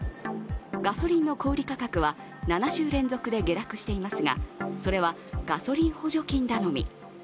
ガソリンの小売り価格は７週連続で下落していますが、それはガソリン補助金頼み。